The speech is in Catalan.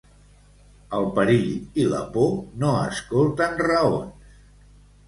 El perill i la por no escolten raons.